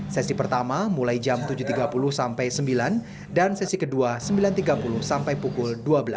sesi pertama mulai jam tujuh tiga puluh sampai sembilan dan sesi kedua sembilan tiga puluh sampai pukul dua belas